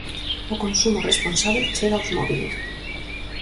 O consumo responsábel chega aos móbiles.